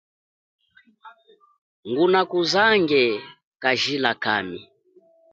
Ngunakuzange kajila kami.